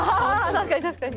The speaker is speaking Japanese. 確かに確かに！